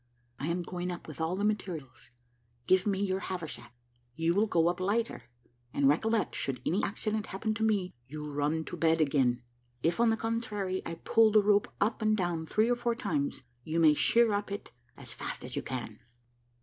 I am going up with all the materials. Give me your haversack you will go up lighter; and recollect, should any accident happen to me, you run to bed again. If, on the contrary, I pull the rope up and down three or four times, you may sheer up it as fast as you can."